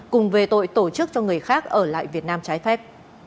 cùng về tội tổ chức cho người khác ở lại việt nam trái phép